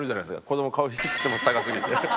子ども顔引きつってます高すぎて。